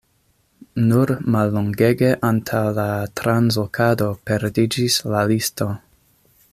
Nur mallongege antaŭ la translokado perdiĝis la listo.